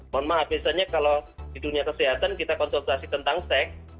mohon maaf biasanya kalau di dunia kesehatan kita konsultasi tentang seks